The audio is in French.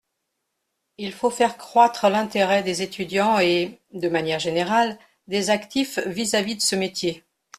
Il faut faire croître l’intérêt des étudiants et, de manière générale, des actifs vis-à-vis de ce métier.